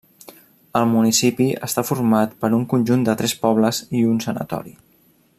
El municipi està format per un conjunt de tres pobles i un sanatori.